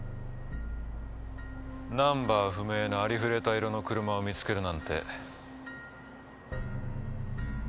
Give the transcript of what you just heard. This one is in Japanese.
ナンバー不明のありふれた色の車を見つけるなんて。